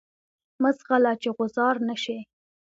مه ځغله چی غوځار نه شی.